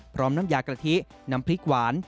พร้อมน้ำยากระทิน้ำพริกหวาน